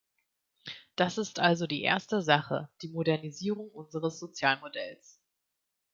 Das ist also die erste Sache, die Modernisierung unseres Sozialmodells.